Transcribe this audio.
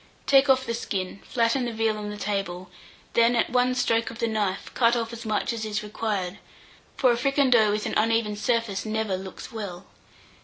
Take off the skin, flatten the veal on the table, then at one stroke of the knife, cut off as much as is required, for a fricandeau with an uneven surface never looks well.